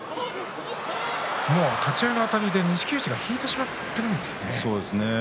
立ち合いのあたりで錦富士が引いてしまいましたね。